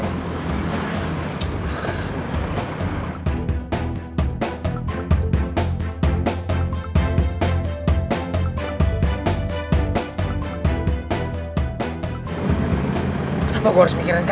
kenapa gue harus mikirin karin sih